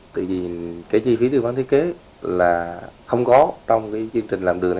tại vì cái chi phí thư vấn thiết kế là không có trong cái chương trình làm đường này